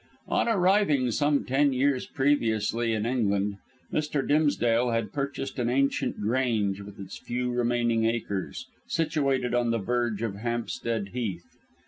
On arriving some ten years previously in England, Mr. Dimsdale had purchased an ancient Grange with its few remaining acres, situated on the verge of Hampstead Heath.